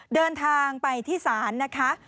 เดินทางไปที่ศาลนะคะ